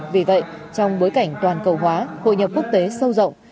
vì vậy trong bối cảnh toàn cầu hóa hội nhập quốc tế sâu rộng